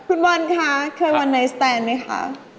คุณวันค่ะเคยวันนายสแตนมั้ยคะ